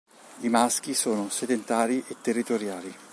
I maschi sono sedentari e territoriali.